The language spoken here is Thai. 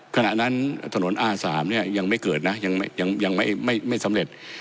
ขณะนั้นถนนอาสามเนี่ยยังไม่เกิดนะยังไม่สำเร็จ